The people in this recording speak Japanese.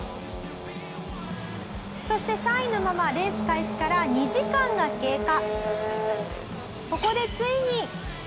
そして３位のままレース開始から２時間が経過。